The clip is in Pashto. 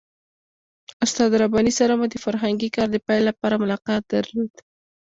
استاد رباني سره مو د فرهنګي کار د پیل لپاره ملاقات درلود.